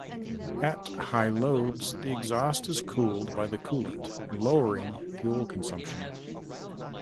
At high loads, the exhaust is cooled by the coolant, lowering fuel consumption.